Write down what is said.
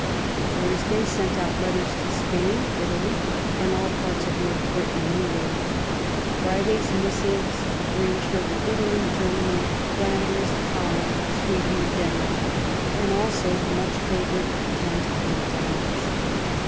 Thursday sent out letters to Spain, Italy, and all parts of North Britain and England. Friday's missives ranged over Italy, Gtermany, Flan ders, Holland, Sweden, Denmark, and also the much 181 THE llEIGN OF QUEEN ANNE favored Kent and the Downs.